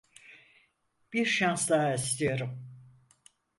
Bir şans daha istiyorum.